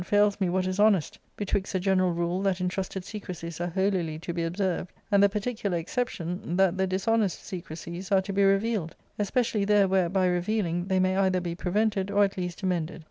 ^Book IIL 395 fails me what is honest, betwixt the general rule that intrusted secrecies are holily to be observed, and the particular excep tion that the dishonest secrecies are to be revealed \ especially there where, by revealing, they may either be prevented or at least amended.